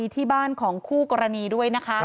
ที่บ้านของคู่กรณีด้วยนะคะ